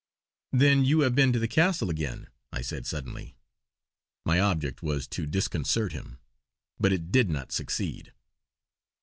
"Then you have been to the castle again!" I said suddenly. My object was to disconcert him, but it did not succeed.